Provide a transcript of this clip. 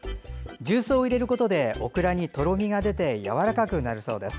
重曹を入れることでオクラにとろみが出てやわらかくなるそうです。